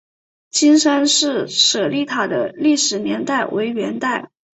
金山寺舍利塔的历史年代为元代。